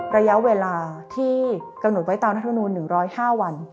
ระยะเวลาที่กำหนดไว้ตามรัฐมนูล๑๐๕วัน